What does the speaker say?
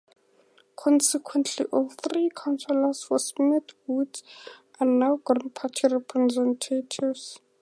Consequently, all three councillors for Smith's Wood are now Green Party representatives.